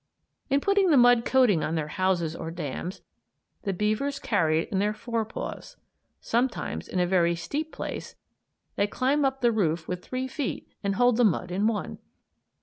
In putting the mud coating on their houses or dams the beavers carry it in their fore paws. Sometimes, in a very steep place, they climb up the roof with three feet and hold the mud with one.